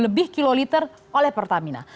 lebih kiloliter oleh pertamina